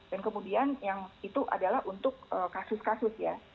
dan kemudian yang itu adalah untuk kasus kasus ya